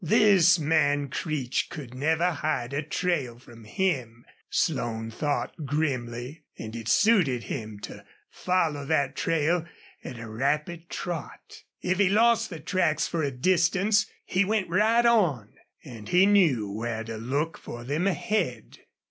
This man Creech could never hide a trail from him, Slone thought grimly, and it suited him to follow that trail at a rapid trot. If he lost the tracks for a distance he went right on, and he knew where to look for them ahead.